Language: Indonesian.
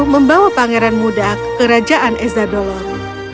membawa pangeran muda ke kerajaan ezadolor